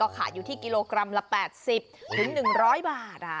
ขายอยู่ที่กิโลกรัมละ๘๐๑๐๐บาท